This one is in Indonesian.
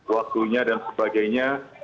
waktunya dan sebagainya